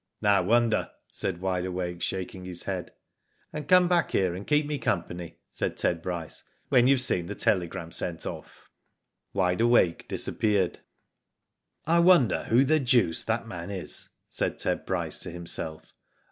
" No wonder," said Wide Awake, shaking his head. "And come back here and keep me company," said Ted Bryce, "when you have seen the telegram sent off." Digitized byGoogk 44 tV^O DID ITf Wide Awake disappeared. ' '*I wonder who the deuce that man is," said Ted Bryce to himself.